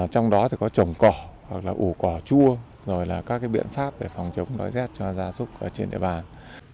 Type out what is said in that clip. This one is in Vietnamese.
trong đó có trồng cỏ ủ cỏ chua các biện pháp để phòng chống đối rét cho gia súc trên địa bàn